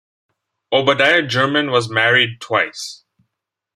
Obadiah German was married twice.